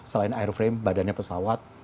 selain airframe badannya pesawat